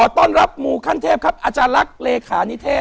ต้อนรับหมู่ขั้นเทพครับอาจารย์ลักษณ์เลขานิเทศ